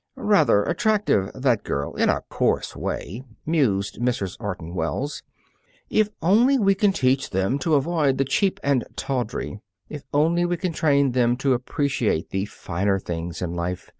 "Rather attractive, that girl, in a coarse way," mused Mrs. Orton Wells. "If only we can teach them to avoid the cheap and tawdry. If only we can train them to appreciate the finer things in life.